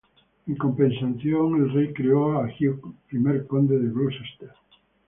En compensación, el rey creó a Hugh primer conde de Gloucester.